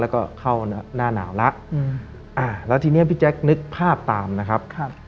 แล้วก็เข้าหน้าหนาวแล้วแล้วทีนี้พี่แจ๊คนึกภาพตามนะครับ